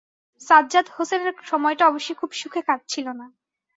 সাজ্জাদ হোসেনের সময়টা অবশ্যি খুব সুখে কাটছিল না।